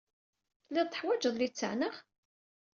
Tellid teḥwajed littseɛ, naɣ?